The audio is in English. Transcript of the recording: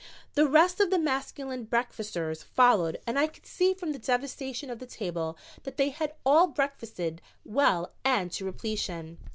The rest of the masculine breakfasters followed and I could see from the devastation of the table that they had all breakfasted well and to repletion.